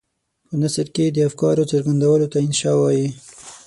په نثر کې د افکارو څرګندولو ته انشأ وايي.